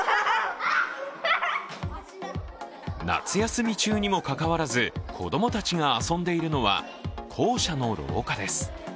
夏休み中にもかかわらず、子供たちが遊んでいるのは校舎の廊下です。